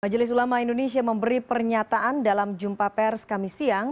majelis ulama indonesia memberi pernyataan dalam jumpa pers kami siang